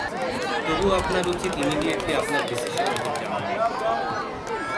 তবু আপনার উচিত ইমিডিয়েটলি আপনার ডিসিশন ওদের জানানো।